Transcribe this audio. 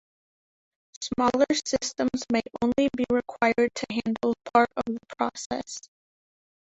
Smaller systems may only be required to handle part of the process.